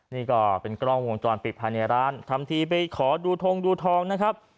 นี่ก็เป็นกล้องวงจรปิดภายในร้านทำทีไปขอดูทงดูทองนะครับ